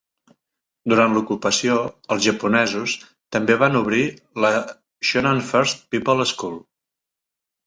Durant l'ocupació, els japonesos també van obrir la Shonan First People's School.